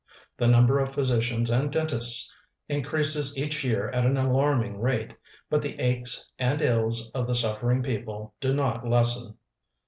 The number of physicians and dentists increases each year at an alarming rate, but the aches and ills of the suffering people do not lessen.